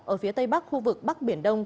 ở phía tây bắc khu vực bắc biển đông